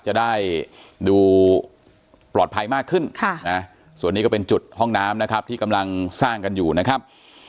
จะได้ดูปลอดภัยมากขึ้นส่วนนี้ก็เป็นจุดห้องน้ำนะครับที่กำลังสร้างกันอยู่นะครับ